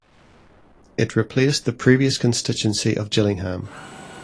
It replaced the previous constituency of Gillingham.